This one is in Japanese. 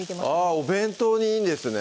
お弁当にいいんですね